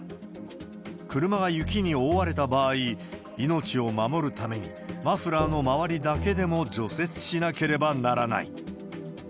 車が雪に覆われた場合、命を守るためにマフラーの周りだけでも除雪しなければならない。